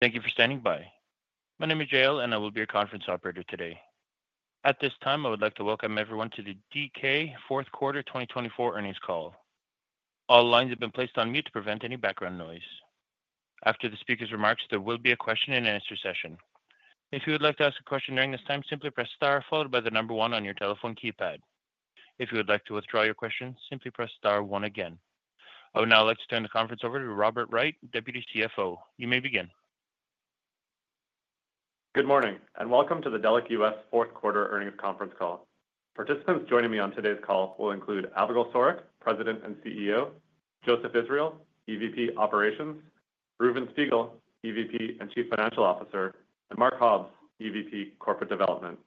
Thank you for standing by. My name is Jill, and I will be your conference operator today. At this time, I would like to welcome everyone to the DK Fourth Quarter 2024 Earnings Call. All lines have been placed on mute to prevent any background noise. After the speaker's remarks, there will be a question-and-answer session. If you would like to ask a question during this time, simply press star followed by the number one on your telephone keypad. If you would like to withdraw your question, simply press star one again. I would now like to turn the conference over to Robert Wright, Deputy CFO. You may begin. Good morning and welcome to the Delek US Fourth Quarter earnings conference call. Participants joining me on today's call will include Avigal Soreq, President and CEO; Joseph Israel, EVP Operations; Reuven Spiegel, EVP and Chief Financial Officer; and Mark Hobbs, EVP Corporate Development.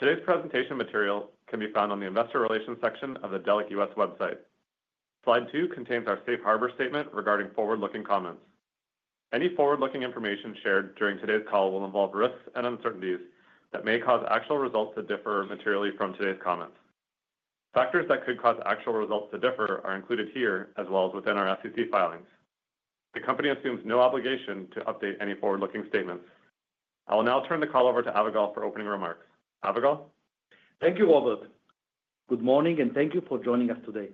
Today's presentation material can be found on the Investor Relations section of the Delek US website. Slide two contains our Safe Harbor Statement regarding forward-looking comments. Any forward-looking information shared during today's call will involve risks and uncertainties that may cause actual results to differ materially from today's comments. Factors that could cause actual results to differ are included here, as well as within our SEC filings. The company assumes no obligation to update any forward-looking statements. I will now turn the call over to Avigal for opening remarks. Avigal? Thank you, Robert. Good morning, and thank you for joining us today.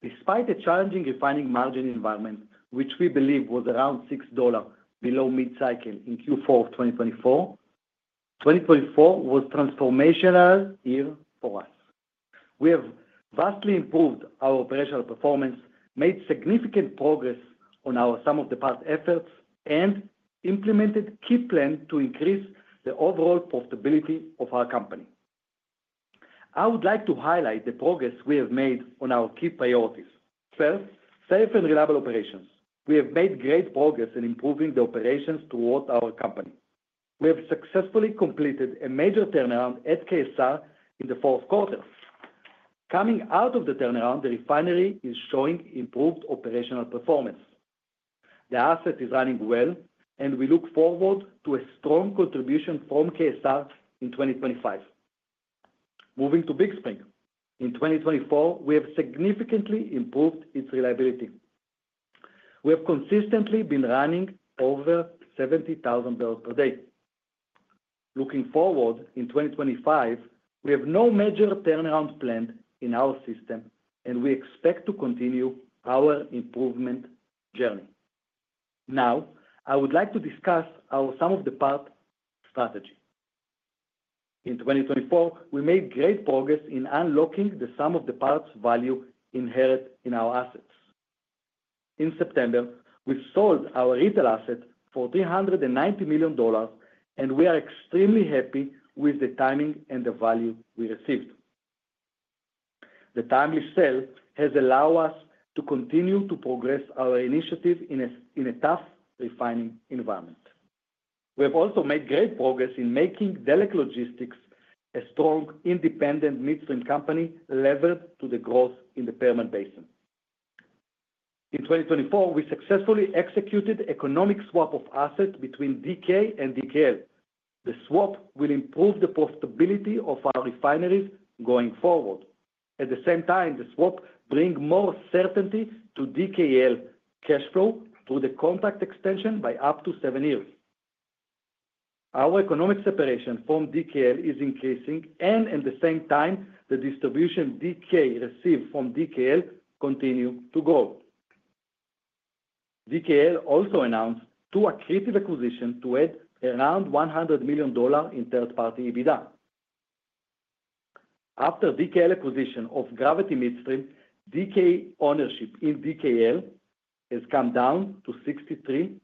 Despite a challenging refining margin environment, which we believe was around $6 below mid-cycle in Q4 of 2024, 2024 was a transformational year for us. We have vastly improved our operational performance, made significant progress on some of the past efforts, and implemented a key plan to increase the overall profitability of our company. I would like to highlight the progress we have made on our key priorities. First, safe and reliable operations. We have made great progress in improving the operations throughout our company. We have successfully completed a major turnaround at KSR in the fourth quarter. Coming out of the turnaround, the refinery is showing improved operational performance. The asset is running well, and we look forward to a strong contribution from KSR in 2025. Moving to Big Spring. In 2024, we have significantly improved its reliability. We have consistently been running over 70,000 bbls per day. Looking forward in 2025, we have no major turnaround planned in our system, and we expect to continue our improvement journey. Now, I would like to discuss our Sum of the Parts strategy. In 2024, we made great progress in unlocking the Sum of the Parts value inherent in our assets. In September, we sold our retail asset for $390 million, and we are extremely happy with the timing and the value we received. The timely sale has allowed us to continue to progress our initiative in a tough refining environment. We have also made great progress in making Delek Logistics a strong, independent midstream company levered to the growth in the Permian Basin. In 2024, we successfully executed an economic swap of assets between DK and DKL. The swap will improve the profitability of our refineries going forward. At the same time, the swap brings more certainty to DKL cash flow through the contract extension by up to seven years. Our economic separation from DKL is increasing, and at the same time, the distribution DK receives from DKL continues to grow. DKL also announced two accretive acquisitions to add around $100 million in third-party EBITDA. After DKL acquisition of Gravity Midstream, DK ownership in DKL has come down to 63.6%.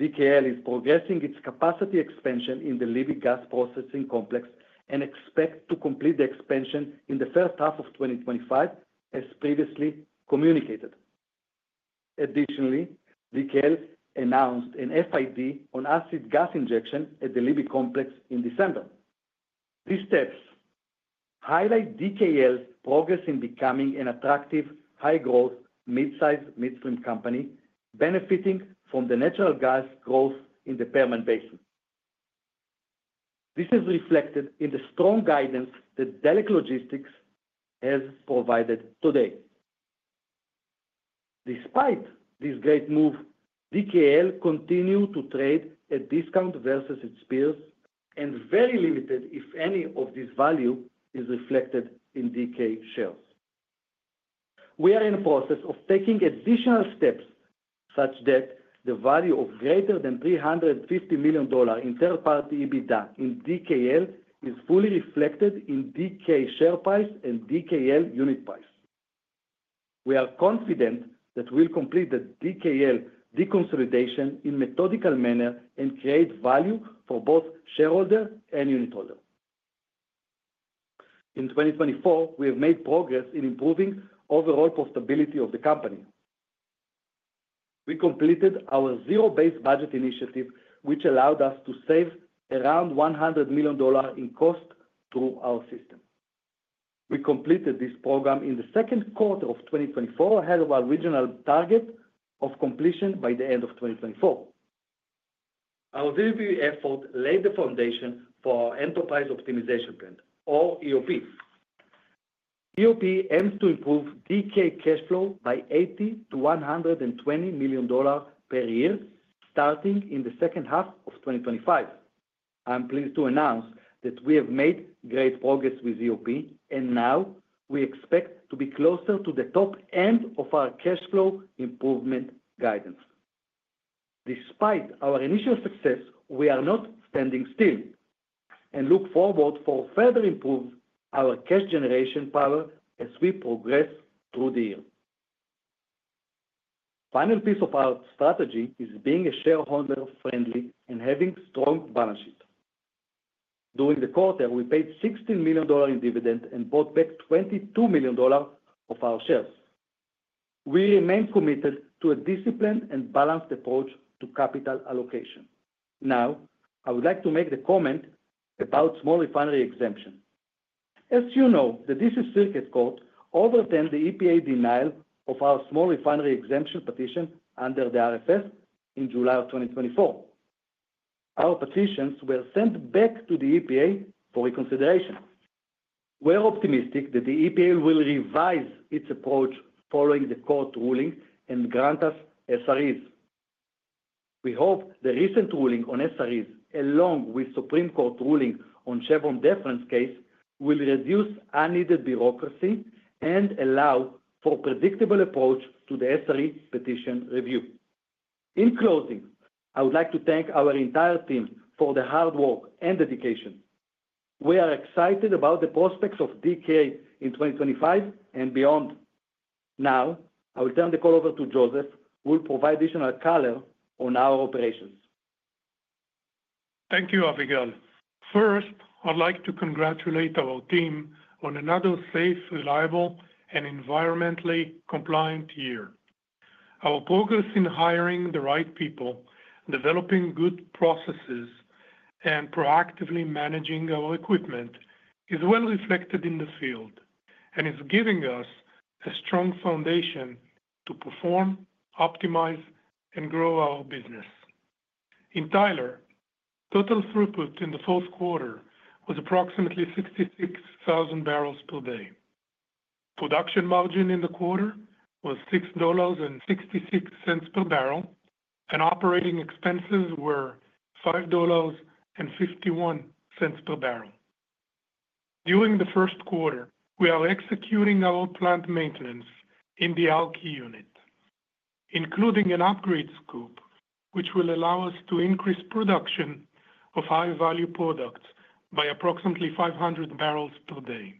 DKL is progressing its capacity expansion in the Libby Gas Plant and expects to complete the expansion in the first half of 2025, as previously communicated. Additionally, DKL announced an FID on acid gas injection at the Libby complex in December. These steps highlight DKL's progress in becoming an attractive, high-growth, mid-size midstream company, benefiting from the natural gas growth in the Permian Basin. This is reflected in the strong guidance that Delek Logistics has provided today. Despite this great move, DKL continues to trade at a discount versus its peers, and very limited, if any, of this value is reflected in DK shares. We are in the process of taking additional steps such that the value of greater than $350 million in third-party EBITDA in DKL is fully reflected in DK share price and DKL unit price. We are confident that we will complete the DKL Deconsolidation in a methodical manner and create value for both shareholders and unit holders. In 2024, we have made progress in improving the overall profitability of the company. We completed our Zero-Based Budget initiative, which allowed us to save around $100 million in cost through our system. We completed this program in the second quarter of 2024, ahead of our regional target of completion by the end of 2024. Our delivery effort laid the foundation for our Enterprise Optimization Plan, or EOP. EOP aims to improve DK cash flow by $80 million-$120 million per year, starting in the second half of 2025. I'm pleased to announce that we have made great progress with EOP, and now we expect to be closer to the top end of our cash flow improvement guidance. Despite our initial success, we are not standing still and look forward to further improving our cash generation power as we progress through the year. The final piece of our strategy is being shareholder-friendly and having a strong balance sheet. During the quarter, we paid $16 million in dividends and bought back $22 million of our shares. We remain committed to a disciplined and balanced approach to capital allocation. Now, I would like to make the comment about small refinery exemptions. As you know, the D.C. Circuit Court overturned the EPA denial of our small refinery exemption petition under the RFS in July of 2024. Our petitions were sent back to the EPA for reconsideration. We are optimistic that the EPA will revise its approach following the court ruling and grant us SREs. We hope the recent ruling on SREs, along with the Supreme Court ruling on Chevron Deference case, will reduce unneeded bureaucracy and allow for a predictable approach to the SRE petition review. In closing, I would like to thank our entire team for the hard work and dedication. We are excited about the prospects of DK in 2025 and beyond. Now, I will turn the call over to Joseph, who will provide additional color on our operations. Thank you, Avigal. First, I'd like to congratulate our team on another safe, reliable, and environmentally compliant year. Our progress in hiring the right people, developing good processes, and proactively managing our equipment is well reflected in the field and is giving us a strong foundation to perform, optimize, and grow our business. In Tyler, total throughput in the fourth quarter was approximately 66,000 bbls per day. Production margin in the quarter was $6.66 per bbl, and operating expenses were $5.51 per bbl. During the first quarter, we are executing our plant maintenance in the alkylation unit, including an upgrade scope, which will allow us to increase production of high-value products by approximately 500 bbls per day.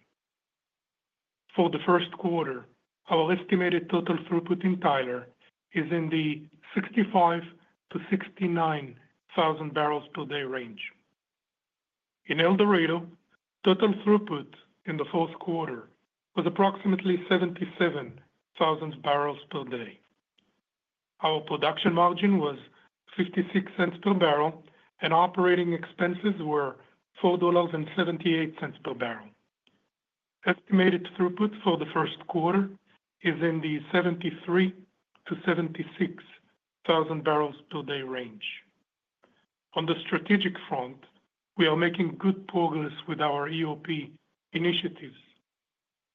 For the first quarter, our estimated total throughput in Tyler is in the 65,000-69,000 bbls per day range. In El Dorado, total throughput in the fourth quarter was approximately 77,000 bbls per day. Our production margin was $0.56 per bbl, and operating expenses were $4.78 per bbl. Estimated throughput for the first quarter is in the 73,000 bbls-76,000 bbls per day range. On the strategic front, we are making good progress with our EOP initiatives,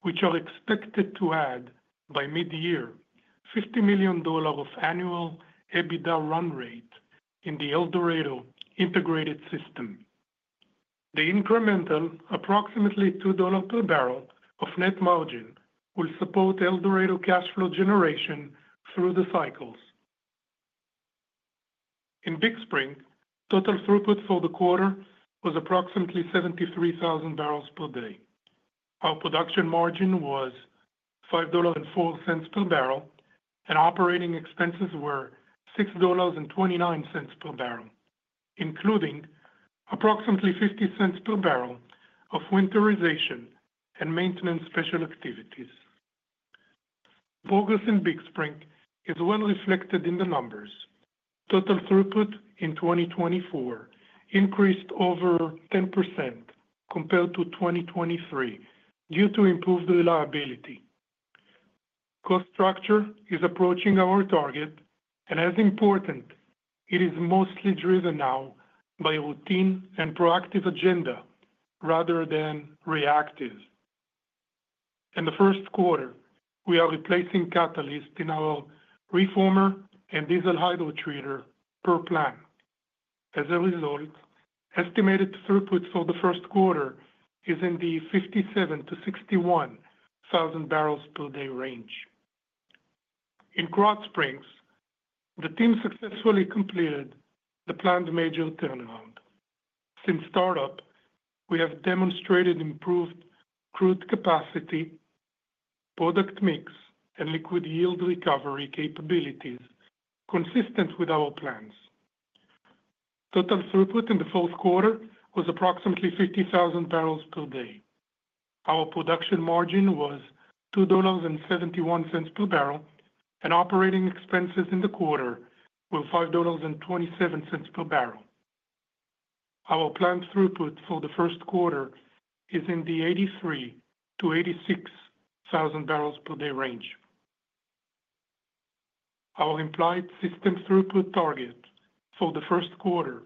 which are expected to add, by mid-year, $50 million of annual EBITDA run rate in the El Dorado integrated system. The incremental, approximately $2 per bbl of net margin will support El Dorado cash flow generation through the cycles. In Big Spring, total throughput for the quarter was approximately 73,000 bbls per day. Our production margin was $5.04 per bbl, and operating expenses were $6.29 per bbl, including approximately $0.50 per bbl of winterization and maintenance special activities. Progress in Big Spring is well reflected in the numbers. Total throughput in 2024 increased over 10% compared to 2023 due to improved reliability. Cost structure is approaching our target, and as important, it is mostly driven now by a routine and proactive agenda rather than reactive. In the first quarter, we are replacing catalysts in our reformer and diesel hydrotreater per plant. As a result, estimated throughput for the first quarter is in the 57,000 bbls-61,000 bbls per day range. In Big Spring, the team successfully completed the planned major turnaround. Since startup, we have demonstrated improved crude capacity, product mix, and liquid yield recovery capabilities consistent with our plans. Total throughput in the fourth quarter was approximately 50,000 bbls per day. Our production margin was $2.71 per bbl, and operating expenses in the quarter were $5.27 per bbl. Our planned throughput for the first quarter is in the 83,000 bbls-86,000 bbls per day range. Our implied system throughput target for the first quarter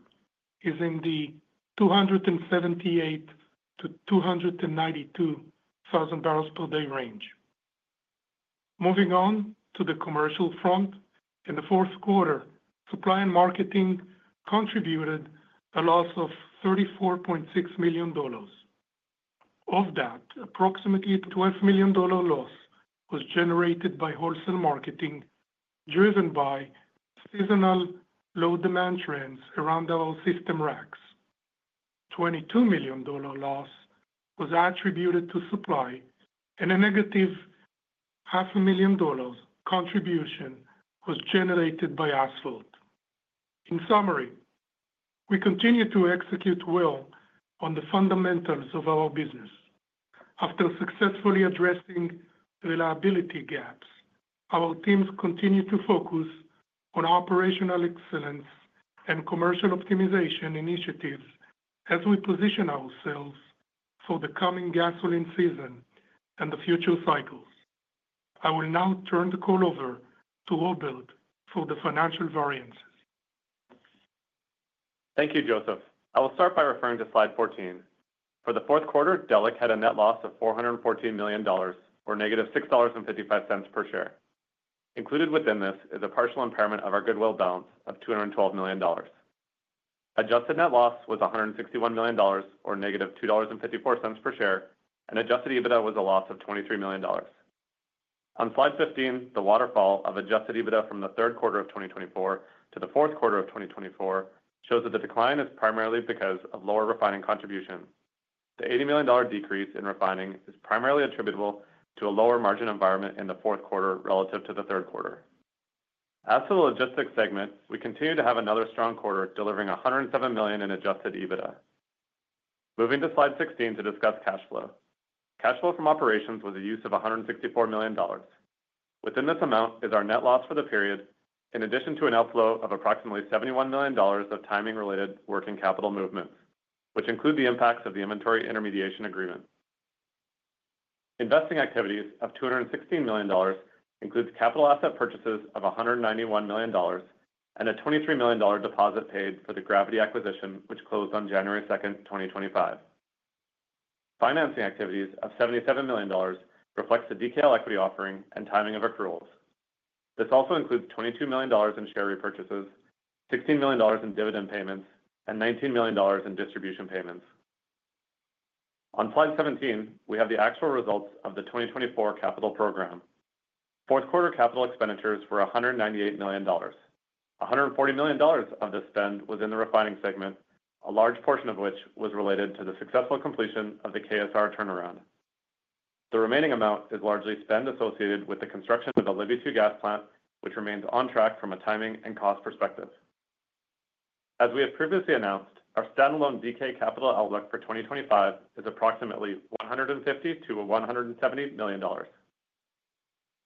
is in the 278,000-292,000 bbls per day range. Moving on to the commercial front, in the fourth quarter, supply and marketing contributed a loss of $34.6 million. Of that, approximately $12 million loss was generated by wholesale marketing driven by seasonal low-demand trends around our system racks. $22 million loss was attributed to supply, and a -$5 million contribution was generated by asphalt. In summary, we continue to execute well on the fundamentals of our business. After successfully addressing reliability gaps, our teams continue to focus on operational excellence and commercial optimization initiatives as we position ourselves for the coming gasoline season and the future cycles. I will now turn the call over to Robert for the financial variances. Thank you, Joseph. I will start by referring to slide 14. For the fourth quarter, Delek had a net loss of $414 million, or -$6.55 per share. Included within this is a partial impairment of our goodwill balance of $212 million. Adjusted net loss was $161 million, or -$2.54 per share, and Adjusted EBITDA was a loss of $23 million. On slide 15, the waterfall of Adjusted EBITDA from the third quarter of 2024 to the fourth quarter of 2024 shows that the decline is primarily because of lower refining contributions. The $80 million decrease in refining is primarily attributable to a lower margin environment in the fourth quarter relative to the third quarter. As for the logistics segment, we continue to have another strong quarter delivering $107 million in Adjusted EBITDA. Moving to slide 16 to discuss cash flow. Cash flow from operations was a use of $164 million. Within this amount is our net loss for the period, in addition to an outflow of approximately $71 million of timing-related working capital movements, which include the impacts of the inventory intermediation agreement. Investing activities of $216 million include capital asset purchases of $191 million and a $23 million deposit paid for the Gravity acquisition, which closed on January 2nd, 2025. Financing activities of $77 million reflect the DKL equity offering and timing of accruals. This also includes $22 million in share repurchases, $16 million in dividend payments, and $19 million in distribution payments. On slide 17, we have the actual results of the 2024 capital program. Fourth quarter capital expenditures were $198 million. $140 million of this spend was in the refining segment, a large portion of which was related to the successful completion of the KSR turnaround. The remaining amount is largely spend associated with the construction of the Libby 2 gas plant, which remains on track from a timing and cost perspective. As we have previously announced, our standalone DK capital outlook for 2025 is approximately $150 million-$170 million.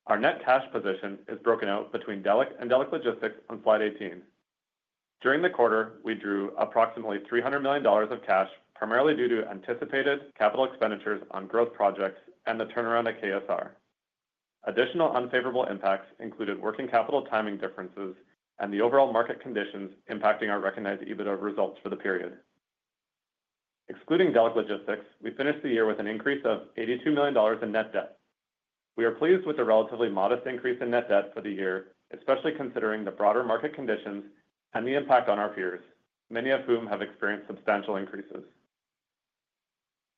Our net cash position is broken out between Delek and Delek Logistics on slide 18. During the quarter, we drew approximately $300 million of cash, primarily due to anticipated capital expenditures on growth projects and the turnaround at KSR. Additional unfavorable impacts included working capital timing differences and the overall market conditions impacting our recognized EBITDA results for the period. Excluding Delek Logistics, we finished the year with an increase of $82 million in net debt. We are pleased with the relatively modest increase in net debt for the year, especially considering the broader market conditions and the impact on our peers, many of whom have experienced substantial increases.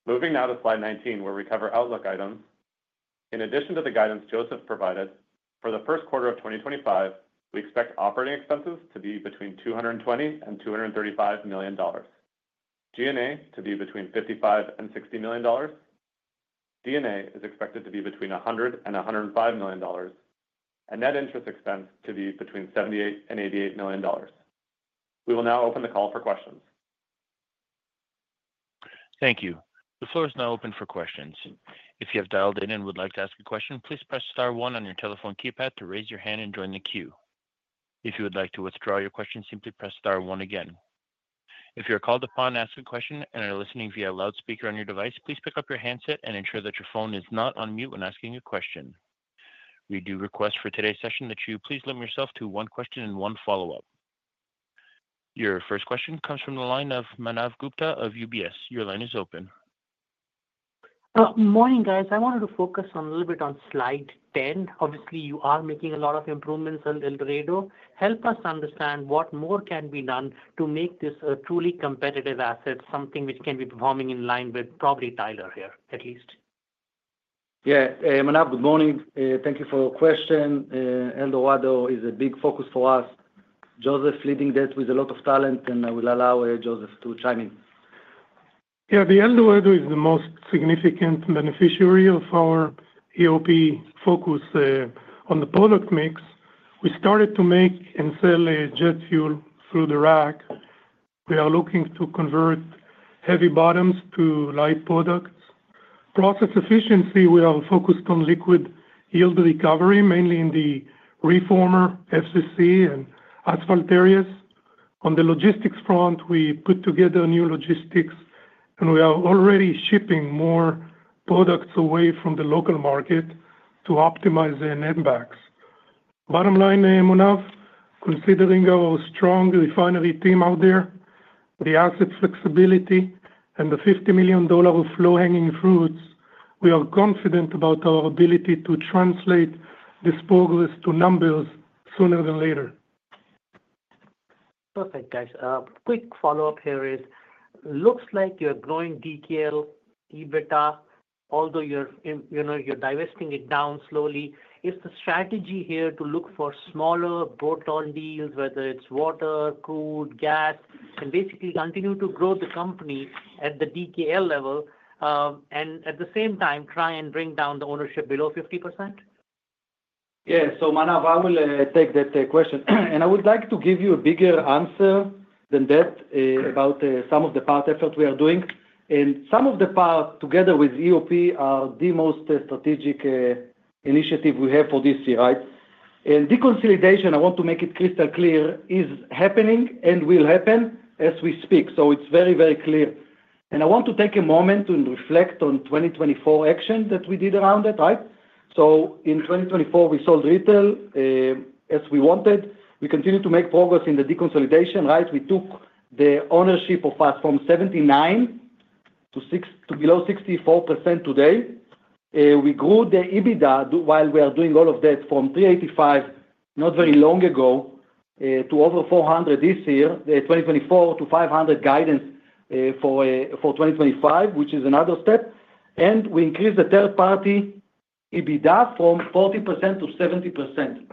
Moving now to slide 19, where we cover outlook items. In addition to the guidance Joseph provided, for the first quarter of 2025, we expect operating expenses to be between $220 million and $235 million, G&A to be between $55 million and $60 million, D&A is expected to be between $100 million and $105 million, and net interest expense to be between $78 million and $88 million. We will now open the call for questions. Thank you. The floor is now open for questions. If you have dialed in and would like to ask a question, please press star one on your telephone keypad to raise your hand and join the queue. If you would like to withdraw your question, simply press star one again. If you're called upon to ask a question and are listening via a loudspeaker on your device, please pick up your handset and ensure that your phone is not on mute when asking a question. We do request for today's session that you please limit yourself to one question and one follow-up. Your first question comes from the line of Manav Gupta of UBS. Your line is open. Morning, guys. I wanted to focus a little bit on slide 10. Obviously, you are making a lot of improvements in El Dorado. Help us understand what more can be done to make this a truly competitive asset, something which can be performing in line with probably Tyler here, at least. Yeah, Manav, good morning. Thank you for your question. El Dorado is a big focus for us. Joseph, leading that with a lot of talent, and I will allow Joseph to chime in. Yeah, the El Dorado is the most significant beneficiary of our EOP focus on the product mix. We started to make and sell jet fuel through the rack. We are looking to convert heavy bottoms to light products. Process efficiency, we are focused on liquid yield recovery, mainly in the reformer, FCC, and asphalt areas. On the logistics front, we put together new logistics, and we are already shipping more products away from the local market to optimize the netback. Bottom line, Manav, considering our strong refinery team out there, the asset flexibility, and the $50 million of low-hanging fruits, we are confident about our ability to translate this progress to numbers sooner than later. Perfect, guys. Quick follow-up here is, looks like you're growing DKL EBITDA, although you're divesting it down slowly. Is the strategy here to look for smaller bolt-on deals, whether it's water, crude, gas, and basically continue to grow the company at the DKL level and at the same time try and bring down the ownership below 50%? Yeah, so Manav, I will take that question. And I would like to give you a bigger answer than that about some of the Sum of the Parts effort we are doing. And some of the Sum of the Parts, together with EOP, are the most strategic initiative we have for this year, right? And the deconsolidation, I want to make it crystal clear, is happening and will happen as we speak. So it's very, very clear. And I want to take a moment to reflect on 2024 action that we did around it, right? So in 2024, we sold retail as we wanted. We continue to make progress in the deconsolidation, right? We took the ownership of us from 79% to below 64% today. We grew the EBITDA while we are doing all of that from 385 not very long ago to over 400 this year, 2024, to 500 guidance for 2025, which is another step. And we increased the third-party EBITDA from 40% to 70%.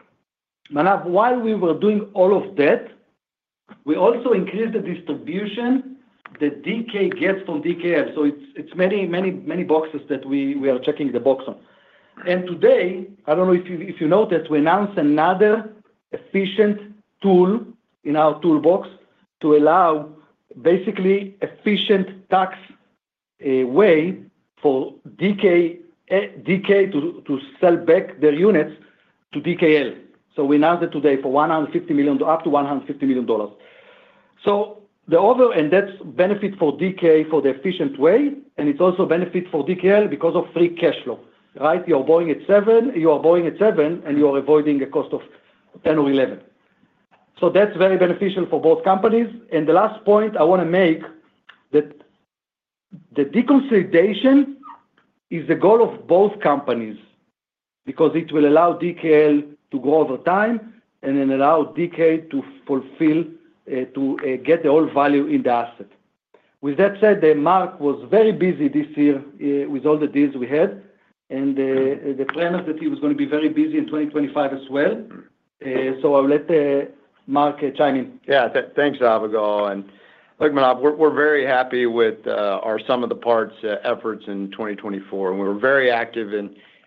Manav, while we were doing all of that, we also increased the distribution that DK gets from DKL. So it's many, many, many boxes that we are checking the box on. And today, I don't know if you noticed, we announced another efficient tool in our toolbox to allow basically efficient tax way for DK to sell back their units to DKL. So we announced it today for $150 million up to $150 million. So the overall benefit for DK for the efficient way, and it's also benefit for DKL because of free cash flow, right? You're buying at seven, you are buying at seven, and you are avoiding a cost of 10 or 11. So that's very beneficial for both companies. And the last point I want to make is that the deconsolidation is the goal of both companies because it will allow DKL to grow over time and then allow DK to fulfill to get the old value in the asset. With that said, Mark was very busy this year with all the deals we had, and the plan is that he was going to be very busy in 2025 as well. So I'll let Mark chime in. Yeah, thanks, Avigal. Look, Manav, we're very happy with Sum of the Parts efforts in 2024. We were very active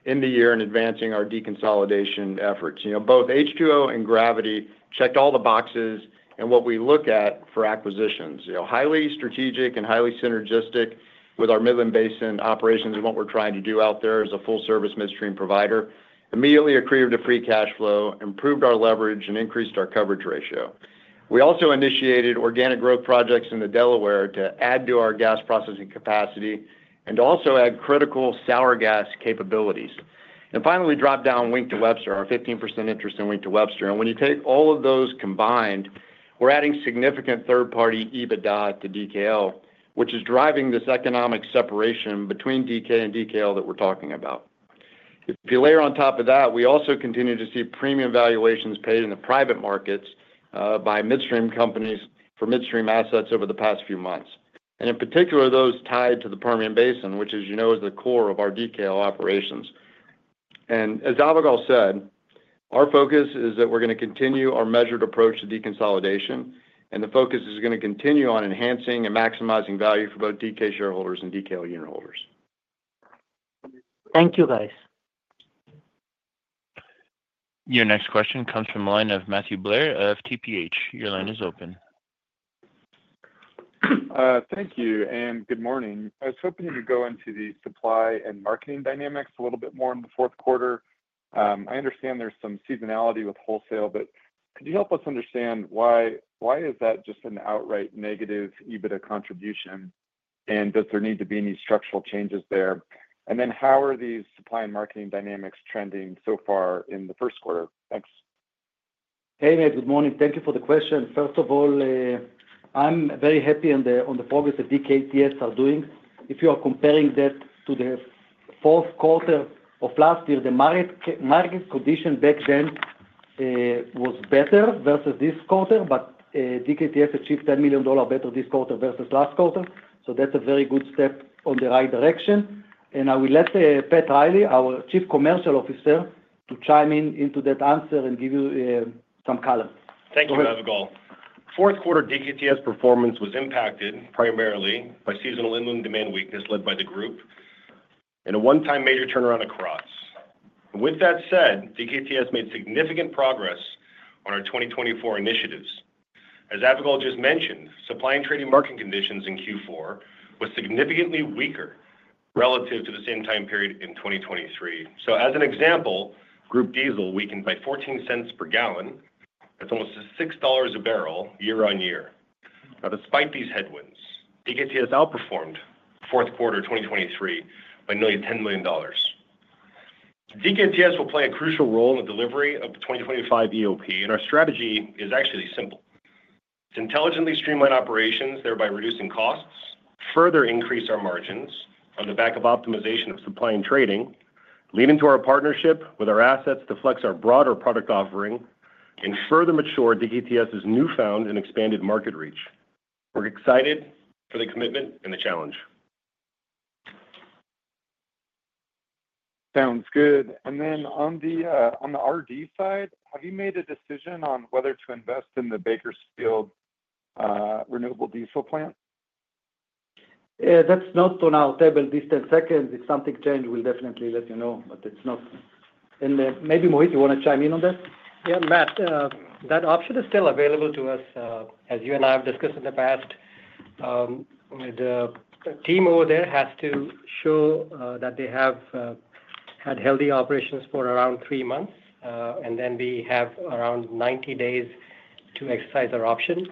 in the year in advancing our deconsolidation efforts. Both H2O and Gravity checked all the boxes and what we look at for acquisitions. Highly strategic and highly synergistic with our Midland Basin operations and what we're trying to do out there as a full-service midstream provider. Immediately accrued a free cash flow, improved our leverage, and increased our coverage ratio. We also initiated organic growth projects in the Delaware to add to our gas processing capacity and to also add critical sour gas capabilities. Finally, we dropped down Wink to Webster, our 15% interest in Wink to Webster. When you take all of those combined, we're adding significant third-party EBITDA to DKL, which is driving this economic separation between DK and DKL that we're talking about. If you layer on top of that, we also continue to see premium valuations paid in the private markets by midstream companies for midstream assets over the past few months. And in particular, those tied to the Permian Basin, which, as you know, is the core of our DKL operations. And as Avigal said, our focus is that we're going to continue our measured approach to deconsolidation, and the focus is going to continue on enhancing and maximizing value for both DK shareholders and DKL unit holders. Thank you, guys. Your next question comes from the line of Matthew Blair of TPH. Your line is open. Thank you and good morning. I was hoping you could go into the supply and marketing dynamics a little bit more in the fourth quarter. I understand there's some seasonality with wholesale, but could you help us understand why is that just an outright negative EBITDA contribution, and does there need to be any structural changes there? And then how are these supply and marketing dynamics trending so far in the first quarter? Thanks. Hey, good morning. Thank you for the question. First of all, I'm very happy on the progress that DKTS are doing. If you are comparing that to the fourth quarter of last year, the market condition back then was better versus this quarter, but DKTS achieved $10 million better this quarter versus last quarter. So that's a very good step in the right direction. And I will let Pat Reilly, our Chief Commercial Officer, to chime in into that answer and give you some color. Thank you, Avigal. Fourth quarter DKTS performance was impacted primarily by seasonal inland demand weakness led by the group and a one-time major turnaround across. With that said, DKTS made significant progress on our 2024 initiatives. As Avigal just mentioned, supply and trading market conditions in Q4 were significantly weaker relative to the same time period in 2023. So as an example, Group diesel weakened by $0.14 per gal. That's almost $6 a bbl year on year. Now, despite these headwinds, DKTS outperformed fourth quarter 2023 by nearly $10 million. DKTS will play a crucial role in the delivery of 2025 EOP, and our strategy is actually simple. It's intelligently streamline operations, thereby reducing costs, further increase our margins on the back of optimization of supply and trading, leading to our partnership with our assets to flex our broader product offering and further mature DKTS's newfound and expanded market reach. We're excited for the commitment and the challenge. Sounds good, and then on the RD side, have you made a decision on whether to invest in the Bakersfield renewable diesel plant? That's not on our table these 10 seconds. If something changes, we'll definitely let you know, but it's not, and maybe Mohit, you want to chime in on that? Yeah, Matt, that option is still available to us. As you and I have discussed in the past, the team over there has to show that they have had healthy operations for around three months, and then we have around 90 days to exercise our option,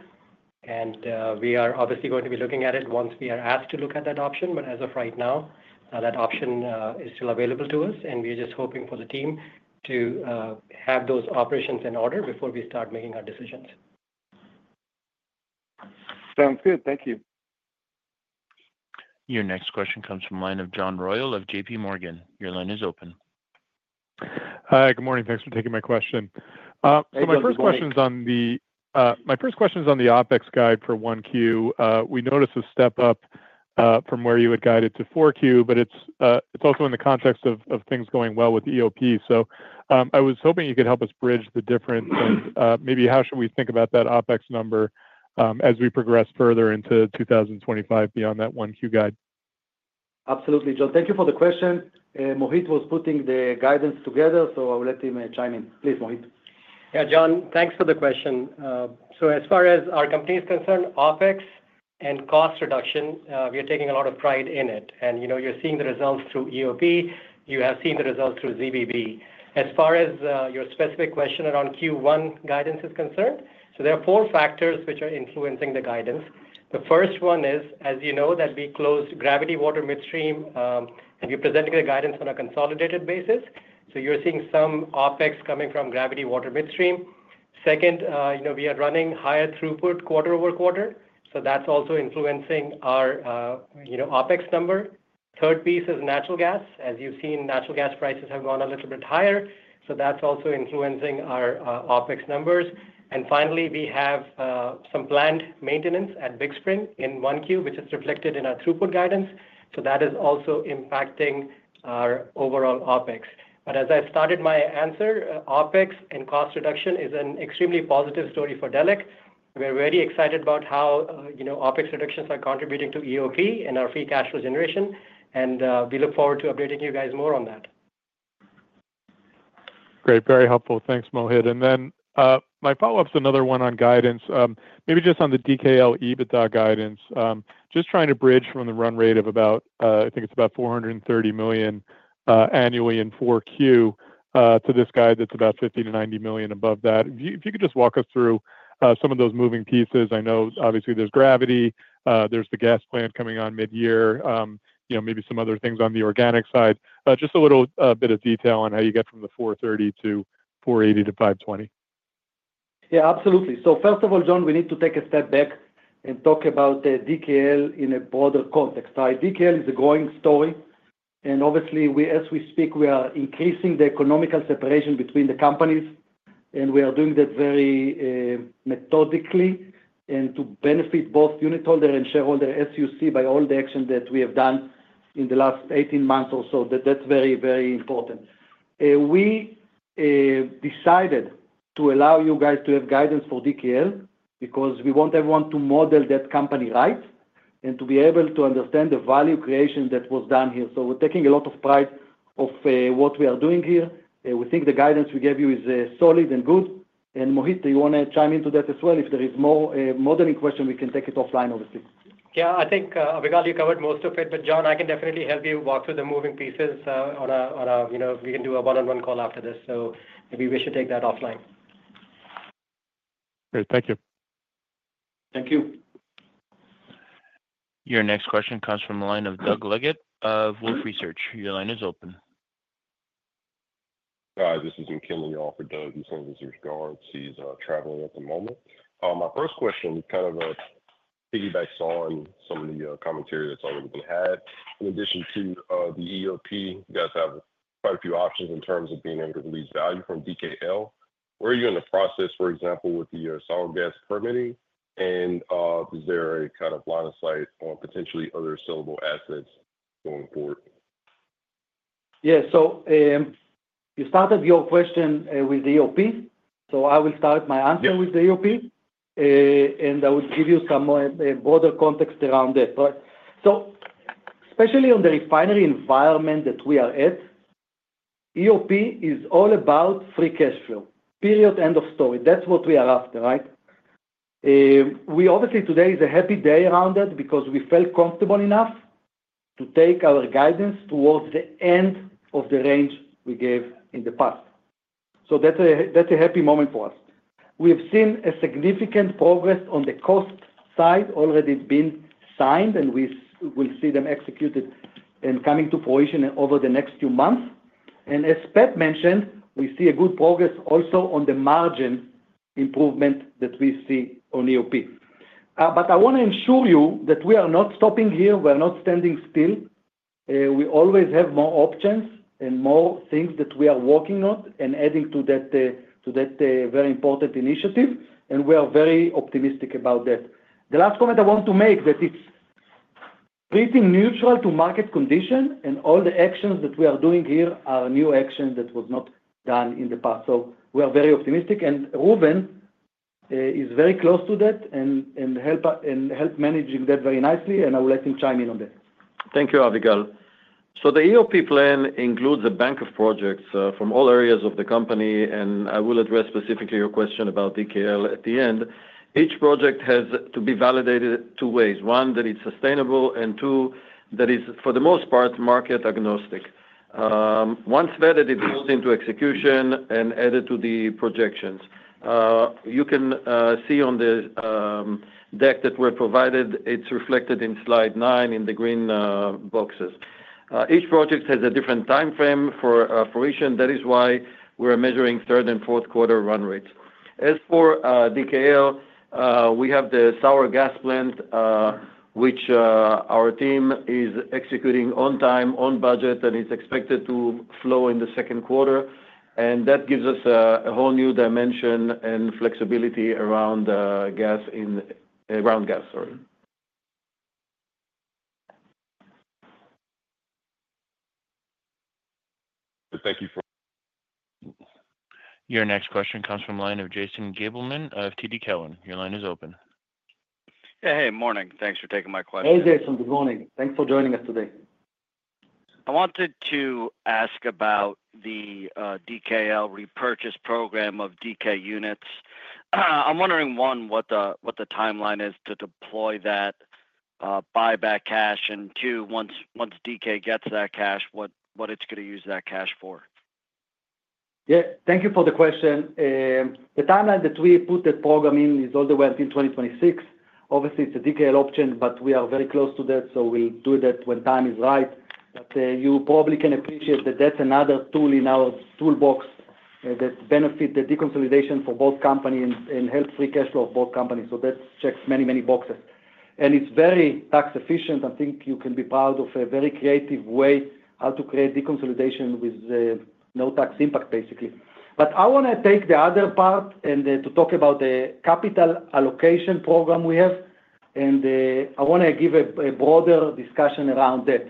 and we are obviously going to be looking at it once we are asked to look at that option, but as of right now, that option is still available to us, and we're just hoping for the team to have those operations in order before we start making our decisions. Sounds good. Thank you. Your next question comes from the line of John Royall of JPMorgan. Your line is open. Hi, good morning. Thanks for taking my question. So my first question is on the OpEx guide for 1Q. We noticed a step up from where you had guided to 4Q, but it's also in the context of things going well with EOP. So I was hoping you could help us bridge the difference, and maybe how should we think about that OpEx number as we progress further into 2025 beyond that 1Q guide? Absolutely, John. Thank you for the question. Mohit was putting the guidance together, so I'll let him chime in. Please, Mohit. Yeah, John, thanks for the question. So as far as our company is concerned, OpEx and cost reduction, we are taking a lot of pride in it, and you're seeing the results through EOP. You have seen the results through ZBB. As far as your specific question around Q1 guidance is concerned, so there are four factors which are influencing the guidance. The first one is, as you know, that we closed Gravity and H2O Midstream, and we're presenting the guidance on a consolidated basis, so you're seeing some OpEx coming from Gravity and H2O Midstream. Second, we are running higher throughput quarter over quarter, so that's also influencing our OpEx number. Third piece is natural gas. As you've seen, natural gas prices have gone a little bit higher, so that's also influencing our OpEx numbers. Finally, we have some planned maintenance at Big Spring in 1Q, which is reflected in our throughput guidance. That is also impacting our overall OpEx. As I started my answer, OpEx and cost reduction is an extremely positive story for Delek. We're very excited about how OpEx reductions are contributing to EOP and our free cash flow generation, and we look forward to updating you guys more on that. Great. Very helpful. Thanks, Mohit. And then my follow-up is another one on guidance. Maybe just on the DKL EBITDA guidance, just trying to bridge from the run rate of about, I think it's about $430 million annually in 4Q to this guide that's about $50 million-$90 million above that. If you could just walk us through some of those moving pieces. I know, obviously, there's Gravity. There's the gas plant coming on mid-year, maybe some other things on the organic side. Just a little bit of detail on how you get from the $430 million-$480 million-$520 million. Yeah, absolutely. So first of all, John, we need to take a step back and talk about DKL in a broader context. DKL is a growing story. And obviously, as we speak, we are increasing the economical separation between the companies, and we are doing that very methodically and to benefit both unit holder and shareholder as you see by all the actions that we have done in the last 18 months or so. That's very, very important. We decided to allow you guys to have guidance for DKL because we want everyone to model that company right and to be able to understand the value creation that was done here. So we're taking a lot of pride of what we are doing here. We think the guidance we gave you is solid and good, and Mohit, do you want to chime into that as well? If there is more modeling question, we can take it offline, obviously. Yeah, I think, Avigal, you covered most of it, but John, I can definitely help you walk through the moving parts, and we can do a one-on-one call after this. So maybe we should take that offline. Great. Thank you. Thank you. Your next question comes from the line of Doug Leggett of Wolfe Research. Your line is open. Hi, this is McKinley for Doug. He's traveling at the moment. My first question is kind of a piggyback on some of the commentary that's already been had. In addition to the EOP, you guys have quite a few options in terms of being able to release value from DKL. Where are you in the process, for example, with the sour gas permitting? And is there a kind of line of sight on potentially other sellable assets going forward? Yeah. So you started your question with the EOP. So I will start my answer with the EOP, and I will give you some broader context around that. So especially on the refinery environment that we are at, EOP is all about free cash flow. Period, end of story. That's what we are after, right? Obviously, today is a happy day around that because we felt comfortable enough to take our guidance towards the end of the range we gave in the past. So that's a happy moment for us. We have seen a significant progress on the cost side already being signed, and we will see them executed and coming to fruition over the next few months. And as Pat mentioned, we see a good progress also on the margin improvement that we see on EOP. But I want to ensure you that we are not stopping here. We are not standing still. We always have more options and more things that we are working on and adding to that very important initiative, and we are very optimistic about that. The last comment I want to make is that it's pretty neutral to market condition, and all the actions that we are doing here are new actions that were not done in the past. So we are very optimistic, and Reuven is very close to that and helped manage that very nicely, and I will let him chime in on that. Thank you, Avigal. The EOP plan includes a bank of projects from all areas of the company, and I will address specifically your question about DKL at the end. Each project has to be validated two ways. One, that it's sustainable, and two, that it's, for the most part, market agnostic. Once vetted, it goes into execution and added to the projections. You can see on the deck that we're provided, it's reflected in slide nine in the green boxes. Each project has a different time frame for each, and that is why we're measuring third and fourth quarter run rates. As for DKL, we have the sour gas plant, which our team is executing on time, on budget, and it's expected to flow in the second quarter. That gives us a whole new dimension and flexibility around gas, sorry. Thank you for. Your next question comes from the line of Jason Gabelman of TD Cowen. Your line is open. Hey, hey. Morning. Thanks for taking my question. Hey, Jason. Good morning. Thanks for joining us today. I wanted to ask about the DKL repurchase program of DK units. I'm wondering, one, what the timeline is to deploy that buyback cash, and two, once DK gets that cash, what it's going to use that cash for? Yeah. Thank you for the question. The timeline that we put the program in is all the way until 2026. Obviously, it's a DKL option, but we are very close to that, so we'll do that when time is right. But you probably can appreciate that that's another tool in our toolbox that benefits the deconsolidation for both companies and helps free cash flow for both companies. So that checks many, many boxes. And it's very tax efficient. I think you can be proud of a very creative way how to create deconsolidation with no tax impact, basically. But I want to take the other part and to talk about the capital allocation program we have, and I want to give a broader discussion around that.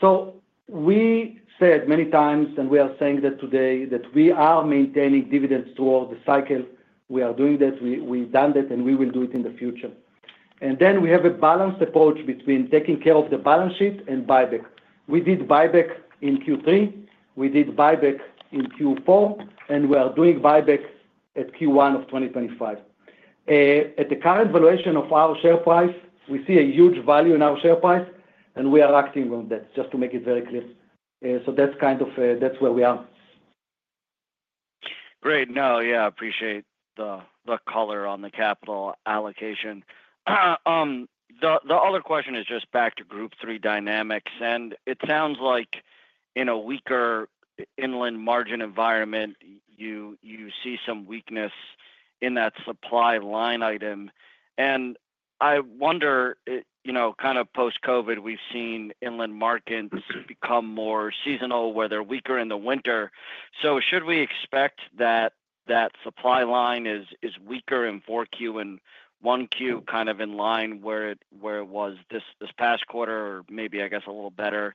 So we said many times, and we are saying that today, that we are maintaining dividends throughout the cycle. We are doing that. We've done that, and we will do it in the future, and then we have a balanced approach between taking care of the balance sheet and buyback. We did buyback in Q3. We did buyback in Q4, and we are doing buyback at Q1 of 2025. At the current valuation of our share price, we see a huge value in our share price, and we are acting on that, just to make it very clear, so that's kind of where we are. Great. No, yeah, I appreciate the color on the capital allocation. The other question is just back to Group 3 dynamics, and it sounds like in a weaker inland margin environment, you see some weakness in that supply line item. And I wonder, kind of post-COVID, we've seen inland markets become more seasonal, where they're weaker in the winter. So should we expect that that supply line is weaker in 4Q and 1Q kind of in line where it was this past quarter, or maybe, I guess, a little better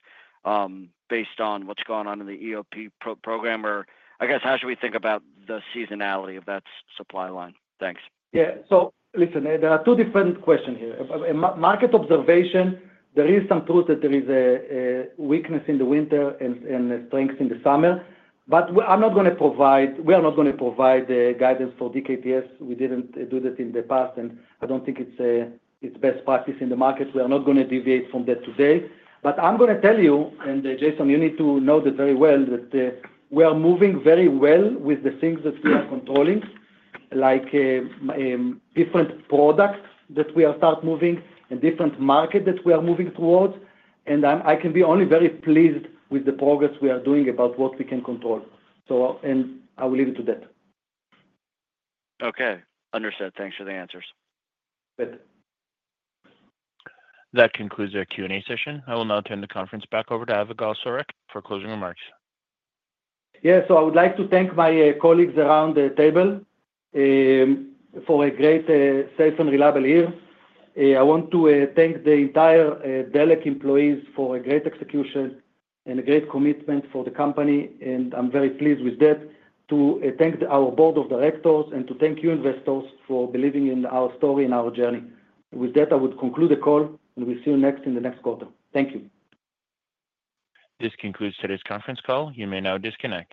based on what's going on in the EOP program? Or I guess, how should we think about the seasonality of that supply line? Thanks. Yeah. So listen, there are two different questions here. Market observation, there is some truth that there is a weakness in the winter and strength in the summer, but I'm not going to provide. We are not going to provide guidance for DKTS. We didn't do that in the past, and I don't think it's best practice in the market. We are not going to deviate from that today. But I'm going to tell you, and Jason, you need to know that very well, that we are moving very well with the things that we are controlling, like different products that we are start moving and different markets that we are moving towards. And I can be only very pleased with the progress we are doing about what we can control. And I will leave it to that. Okay. Understood. Thanks for the answers. Good. That concludes our Q&A session. I will now turn the conference back over to Avigal Soreq for closing remarks. Yeah. So I would like to thank my colleagues around the table for a great, safe, and reliable year. I want to thank the entire Delek employees for a great execution and a great commitment for the company, and I'm very pleased with that, to thank our board of directors and to thank you investors for believing in our story and our journey. With that, I would conclude the call, and we'll see you next in the next quarter. Thank you. This concludes today's conference call. You may now disconnect.